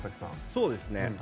そうですね